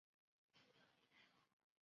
聚变能指利用核聚变产生能量。